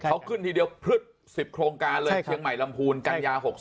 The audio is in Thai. เขาขึ้นทีเดียวพลึด๑๐โครงการเลยเชียงใหม่ลำพูนกันยา๖๒